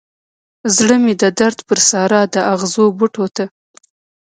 زړه مې د درد پر سارا د اغزو بوټو ته